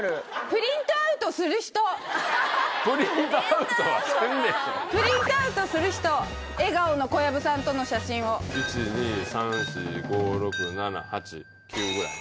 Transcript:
プリントアウトかプリントアウトする人笑顔の小籔さんとの写真を１２３４５６７８９ぐらい？